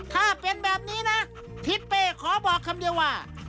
ถ้าเป็นแบบนี้นะทิศเป้ขอบอกคำเดียวว่า